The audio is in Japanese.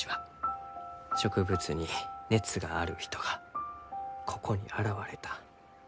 植物に熱がある人がここに現れた。